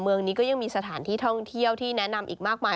เมืองนี้ก็ยังมีสถานที่ท่องเที่ยวที่แนะนำอีกมากมาย